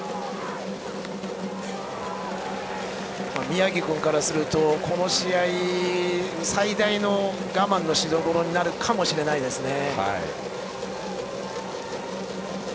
宮城君からするとこの試合最大の我慢のしどころになるかもしれないですね。